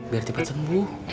biar cepet sembuh